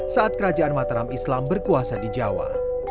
saat kerajaan mataram islam berkuasa di jawa